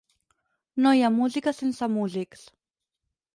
No hi ha música sense músics.